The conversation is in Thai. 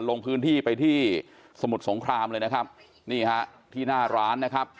ลงพื้นที่ไปที่สมุทรสงครามเลยนะครับนี่ฮะที่หน้าร้านนะครับ